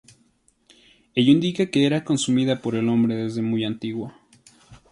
Ello indica que era consumida por el hombre desde muy antiguo.